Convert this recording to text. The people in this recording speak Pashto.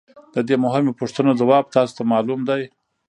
د دې مهمو پوښتنو ځواب تاسو ته معلوم دی